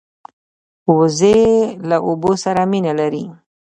وزې له اوبو سره مینه لري